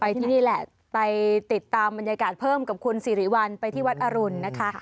ที่นี่แหละไปติดตามบรรยากาศเพิ่มกับคุณสิริวัลไปที่วัดอรุณนะคะ